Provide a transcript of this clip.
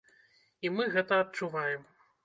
І мы гэта адчуваем.